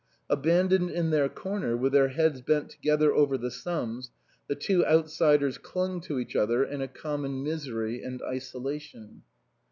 Abandoned in their corner, with their heads bent together over the sums, the two outsiders clung to each other in a common misery and isolation.